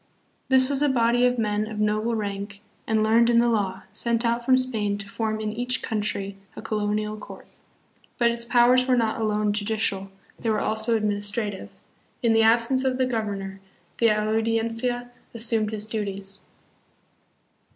This was a body of men of noble rank and learned in the law, sent out from Spain to form in each country a co lonial court; but its powers were not alone judicial; they were also administrative. In the absence of the governor the audiencia assumed his duties.